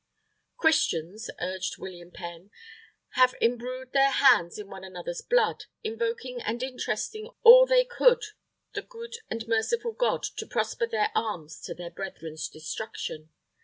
"Christians," argued William Penn, "have embrewed their hands in one another's blood, invoking and interesting all they could the good and merciful God to prosper their arms to their brethren's destruction.